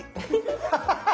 ハハハ！